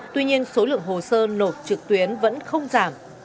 tuy nhiên số lượng hồ sơ nộp trực tuyến vẫn không giảm